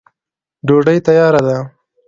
ډوډی تیاره ده.